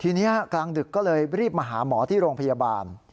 ทีนี้กลางดึกก็เลยรีบมาหาหมอที่โรงพยาบาล